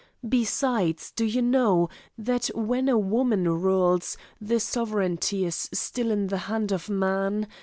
Besides, do you know, that when a woman rules, the sovereignty is still in the hand of man?